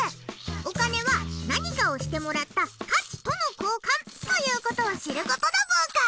お金は何かをしてもらった価値との交換ということを知ることだブーカ。